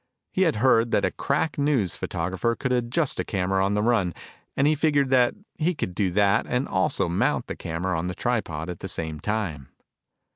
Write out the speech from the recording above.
He had heard that a crack news photographer could adjust a camera on the run and he figured that he could do that and also mount the camera on the tripod at the same time.